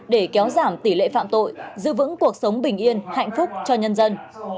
để kéo giảm tỷ lệ phạm tội giữ vững cuộc sống bình yên hạnh phúc cho nhân dân